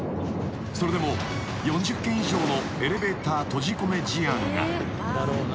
［それでも４０件以上のエレベーター閉じ込め事案が］